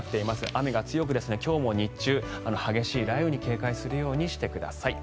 雨が強く今日も日中激しい雷雨に警戒するようにしてください。